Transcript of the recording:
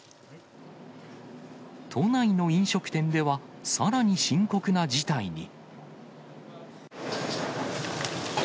都内の飲食店では、さらに深刻な事態に。